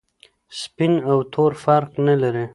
سپین او تور فرق نلري.